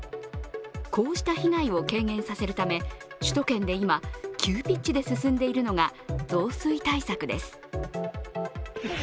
こうした被害を軽減させるため首都圏で今、急ピッチで進んでいるのが増水対策です。